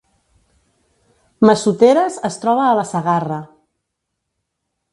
Massoteres es troba a la Segarra